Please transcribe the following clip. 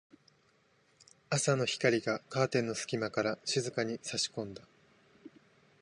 朝の光がカーテンの隙間から静かに差し込んだ。